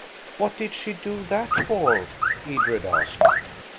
"What did she do that for?" Edred asked.